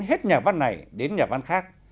hết nhà văn này đến nhà văn khác